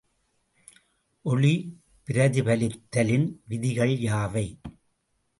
ஒளி பிரதிபலித்தலின் விதிகள் யாவை?